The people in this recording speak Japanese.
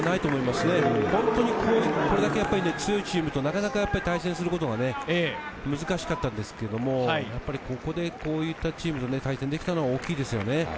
本当にこれだけ強いチームとなかなか対戦することは難しかったんですけれど、対戦できたのは大きいですよね。